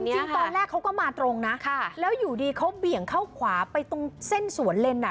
จริงตอนแรกเขาก็มาตรงนะแล้วอยู่ดีเขาเบี่ยงเข้าขวาไปตรงเส้นสวนเลนอ่ะ